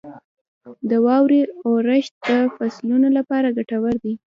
• د واورې اورښت د فصلونو لپاره ګټور دی.